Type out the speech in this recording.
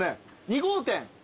２号店。